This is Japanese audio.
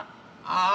ああ？